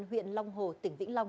huyện long hồ tỉnh vĩnh long